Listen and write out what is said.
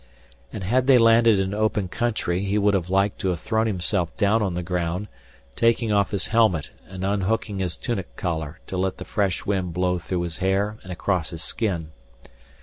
And had they landed in open country he would have liked to have thrown himself down on the ground, taking off his helmet and unhooking his tunic collar to let the fresh wind blow through his hair and across his skin.